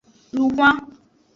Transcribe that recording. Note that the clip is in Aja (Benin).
Lun xwan.